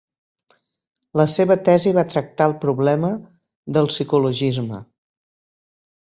La seva tesi va tractar el problema del psicologisme.